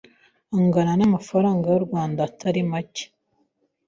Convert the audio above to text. angana n’amafaranga y’u Rwanda Atari macye